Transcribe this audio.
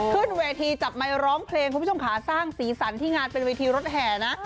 ขึ้นเวทีจับไมค์ร้องเพลงคุณผู้ชมขาสร้างสีสันที่งานเป็นเวทีรถแห่นะ